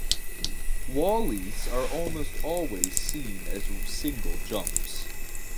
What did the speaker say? Walleys are almost always seen as single jumps.